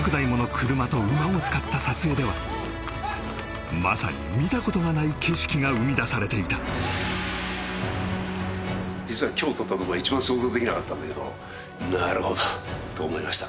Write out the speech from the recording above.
車と馬を使った撮影ではまさに見たことがない景色が生み出されていた実は今日撮ったとこが一番想像できなかったんだけどなるほどと思いました